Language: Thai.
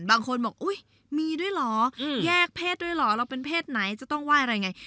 บางคนบอกอุ๊ยมีด้วยเหรอแยกเพศด้วยเหรอเราเป็นเพศไหนจะต้องไหว้อะไรไง